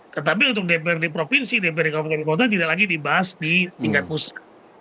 tetapi untuk dpr ri provinsi dpr ri kabupaten dan kota tidak lagi dibahas di tingkat pusat